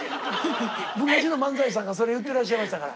昔の漫才師さんがそれ言ってらっしゃいましたから。